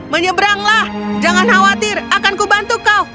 menyeberanglah jangan khawatir akanku bantu kau